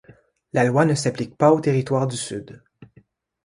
La loi ne s'applique pas aux Territoires du Sud.